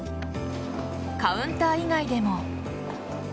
カウンター以外でも。